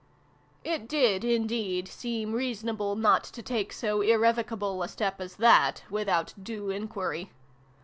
It did indeed seem reasonable not to take so irrevocable a step as that, without due enquiry.